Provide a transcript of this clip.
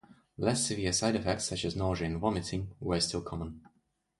Less severe side-effects such as nausea and vomiting were still common.